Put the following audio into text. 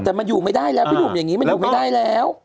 แต่มันอยู่ไม่ได้แล้วพี่หนุ่มอย่างนี้มันอยู่ไม่ได้แล้ว